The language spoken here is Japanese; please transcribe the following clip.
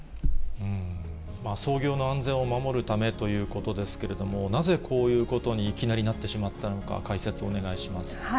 操業の安全を守るためということですけれども、なぜこういうことに、いきなりなってしまったのか、解説をお願い